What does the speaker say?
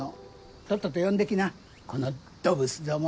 とっとと呼んで来なこのどブスども。